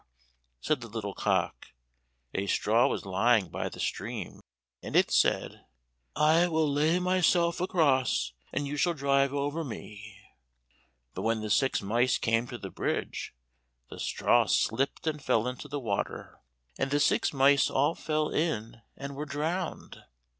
said the little cock. A straw was lying by the stream, and it said, "I will lay myself across, and you shall drive over me." But when the six mice came to the bridge, the straw slipped and fell into the water, and the six mice all fell in and were drowned.